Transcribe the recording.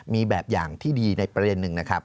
มีแบบอย่างที่ดีในประเด็นหนึ่งนะครับ